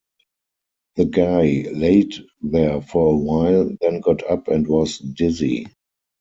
The guy laid there for a while, then got up and was dizzy.